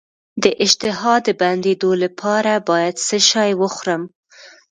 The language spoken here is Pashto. د اشتها د بندیدو لپاره باید څه شی وخورم؟